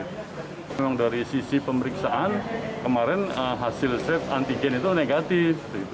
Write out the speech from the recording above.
memang dari sisi pemeriksaan kemarin hasil swab antigen itu negatif